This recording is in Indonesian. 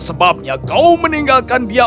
sebabnya kau meninggalkan dia